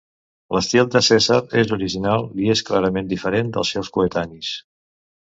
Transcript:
L'estil de Cèsar és original i és clarament diferent dels seus coetanis.